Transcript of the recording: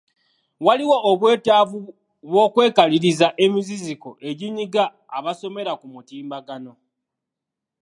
Waliwo obwetaavu bw'okwekaliriza emiziziko eginyiga abasomera ku mutimbagano.